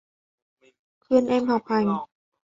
khuyên em học hành